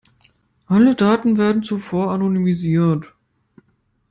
Alle Daten werden zuvor anonymisiert.